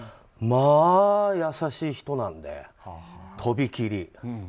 まあ優しい人なので、とびきり。